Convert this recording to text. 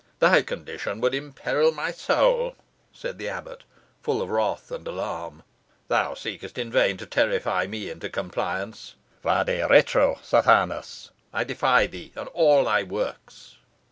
"Thy condition would imperil my soul," said the abbot, full of wrath and alarm. "Thou seekest in vain to terrify me into compliance. Vade retro, Sathanas. I defy thee and all thy works."